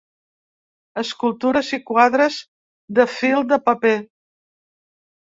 Escultures i quadres de fil de paper.